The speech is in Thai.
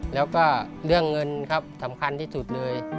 แล้วก็เรื่องเงินครับสำคัญที่สุดเลย